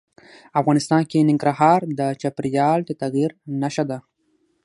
افغانستان کې ننګرهار د چاپېریال د تغیر نښه ده.